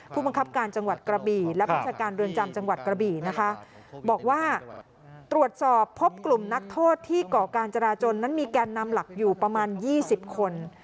ผู้บังคับการจังหวัดกระบี่และผู้จัดการเรือนจำจังหวัดกระบี่นะคะบอกว่าตรวจสอบพบกลุ่มนักโทษที่ก่อการจราจนนั้นมีแกนนำหลักอยู่ประมาณ๒๐คน